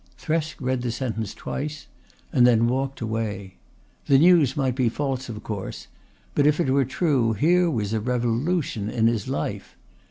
Thresk read the sentence twice and then walked away. The news might be false, of course, but if it were true here was a revolution in his life.